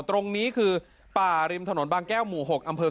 ตรงนี้คือป่าริมถนนบางแก้วหมู่๖อำเภอ